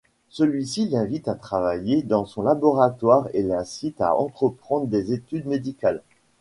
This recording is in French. Celui-ci l'invite à travailler dans son laboratoire et l'incite à entreprendre des études médicales.